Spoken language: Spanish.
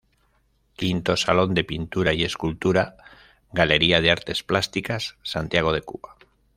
V Salón de Pintura y Escultura, Galería de Artes Plásticas, Santiago de Cuba.